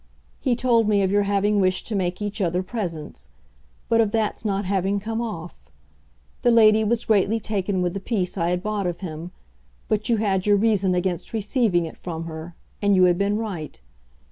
He told me of your having wished to make each other presents but of that's not having come off. The lady was greatly taken with the piece I had bought of him, but you had your reason against receiving it from her, and you had been right.